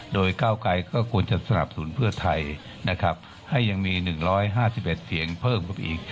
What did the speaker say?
โดยเก้าไกลก็ควรจะสนับสูญเพื่อไทยนะครับให้ยังมีหนึ่งร้อยห้าสิบเอ็ดเสียงเพิ่มกับอีก